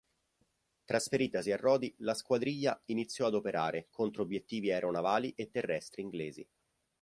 Trasferitasi a Rodi la squadriglia iniziò ad operare contro obiettivi aeronavali e terrestri inglesi.